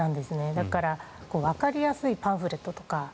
だからわかりやすいパンフレットとか。